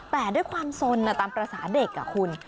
แต่ด้วยความสนตามภาษาเด็กคุณ